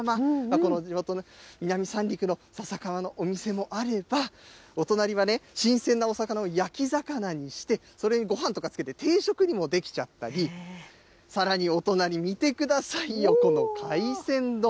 この地元の南三陸の笹かまのお店もあれば、お隣は、新鮮なお魚を焼き魚にして、それにごはんとかつけて、定食にもできちゃったり、さらにお隣、見てくださいよ、この海鮮丼。